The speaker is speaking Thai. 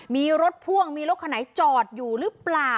มีรถพ่วงมีรถคันไหนจอดอยู่หรือเปล่า